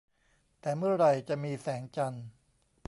แต่เมื่อไหร่จะมีแสงจันทร์